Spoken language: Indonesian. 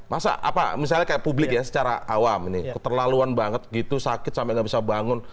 masa apa misalnya kayak publik ya secara awam nih keterlaluan banget gitu sakit sampai nggak bisa bangun